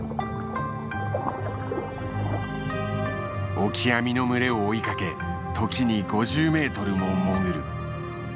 オキアミの群れを追いかけ時に５０メートルも潜る。